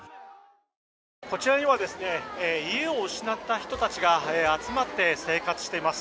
こちらには家を失った人たちが集まって生活しています。